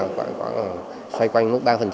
xoay quanh mức ba